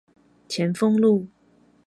前峰路